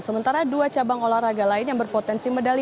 sementara dua cabang olahraga lain yang berpotensi medali